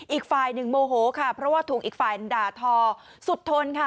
อีกฝ่ายหนึ่งโมโหค่ะเพราะว่าถูกอีกฝ่ายด่าทอสุดทนค่ะ